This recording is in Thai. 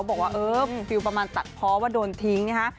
บอกว่าเออฟิลประมาณตัดเพราะว่าโดนทิ้งนะคะ